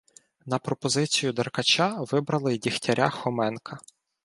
На пропозицію Деркача вибрали Дігтяра-Хоменка.